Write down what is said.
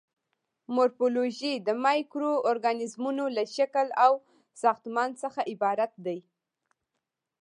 مورفولوژي د مایکرو ارګانیزمونو له شکل او ساختمان څخه عبارت دی.